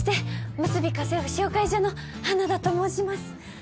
むすび家政婦紹介所の花田と申します。